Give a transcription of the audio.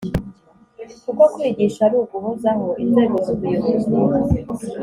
Kuko kwigisha ari uguhozaho inzego z’ubuyobozi